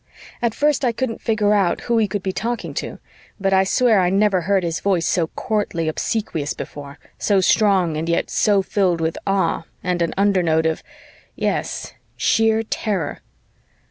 At first I couldn't figure out who he could be talking to, but I swear I never heard his voice so courtly obsequious before, so strong and yet so filled with awe and an under note of, yes, sheer terror.